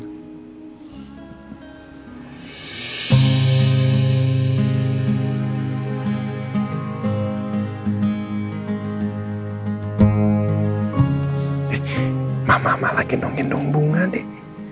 eh mama malah kena gendong bunga dik